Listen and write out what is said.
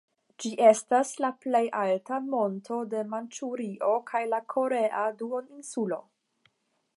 Ĝi estas la plej alta monto de Manĉurio kaj la Korea duoninsulo.